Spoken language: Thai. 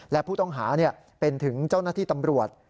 และผู้ต้องหาเป็นถึงเจ้าหน้าที่ตำรวจ